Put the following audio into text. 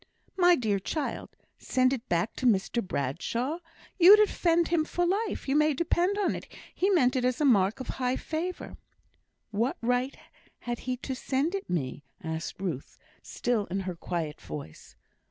"My dear child! send it back to Mr Bradshaw! You'd offend him for life. You may depend upon it, he means it as a mark of high favour!" "What right had he to send it me?" asked Ruth, still in her quiet voice.